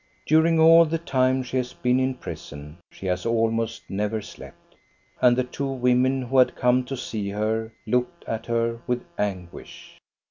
During all the time she has been in prison she has almost never slept. And the two women who had come to see her looked at her with anguish.